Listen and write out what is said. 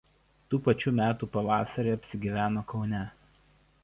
Tų pačių metų pavasarį apsigyveno Kaune.